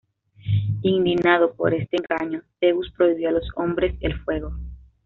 Indignado por este engaño, Zeus prohibió a los hombres el fuego.